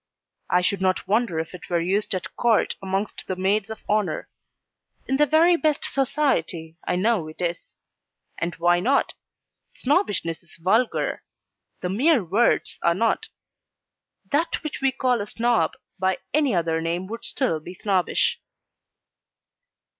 I should not wonder if it were used at Court amongst the Maids of Honour. In the very best society I know it is. And why not? Snobbishness is vulgar the mere words are not: that which we call a Snob, by any other name would still be Snobbish.